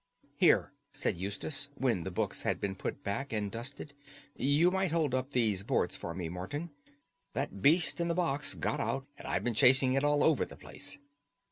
"Here," said Eustace, when the books had been put back and dusted, "you might hold up these boards for me, Morton. That beast in the box got out, and I've been chasing it all over the place."